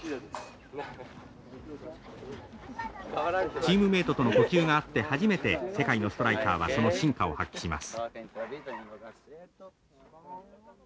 チームメートとの呼吸が合って初めて世界のストライカーはその真価を発揮します。